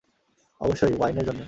অবশ্যই, ওয়াইনের জন্য।